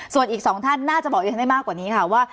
ส่วนอีก๒ท่านน่าจะบอกดิฉันได้มากกว่านี้ค่ะว่า